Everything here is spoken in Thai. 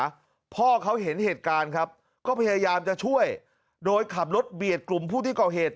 พ่อเขาเห็นเหตุการณ์ครับก็พยายามจะช่วยโดยขับรถเบียดกลุ่มผู้ที่ก่อเหตุ